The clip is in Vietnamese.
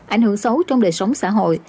ảnh hưởng xấu trong đời sống xã hội